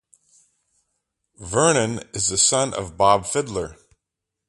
Vernon is the son of Bob Fiddler.